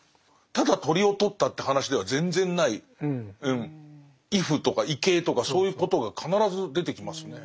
ただ鳥を捕ったって話では全然ない畏怖とか畏敬とかそういうことが必ず出てきますね。